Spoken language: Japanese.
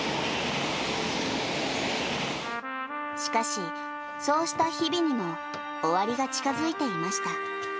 しかし、そうした日々にも終わりが近づいていました。